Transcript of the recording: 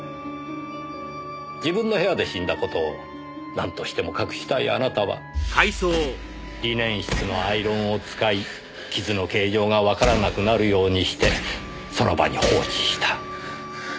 自分の部屋で死んだ事をなんとしても隠したいあなたはリネン室のアイロンを使い傷の形状がわからなくなるようにしてその場に放置した。